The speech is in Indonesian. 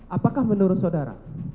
apakah menurut saudara